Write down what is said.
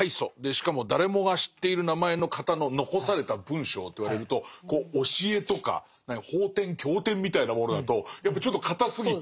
しかも誰もが知っている名前の方の残された文章といわれると教えとか法典経典みたいなものだとやっぱちょっと堅すぎて。